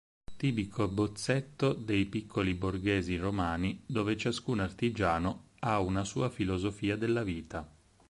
Tipico bozzetto dei piccolo-borghesi romani, dove ciascun artigiano ha una sua filosofia della vita.